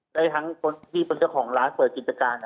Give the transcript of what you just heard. ได้ทั้งคนที่เป็นเจ้าของร้านเปิดกิจการ